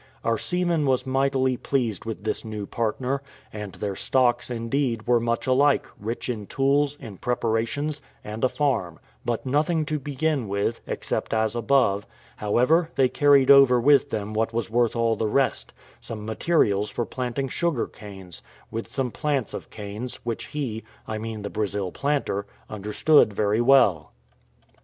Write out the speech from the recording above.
Our seaman was mightily pleased with this new partner; and their stocks, indeed, were much alike, rich in tools, in preparations, and a farm but nothing to begin with, except as above: however, they carried over with them what was worth all the rest, some materials for planting sugar canes, with some plants of canes, which he, I mean the Brazil planter, understood very well.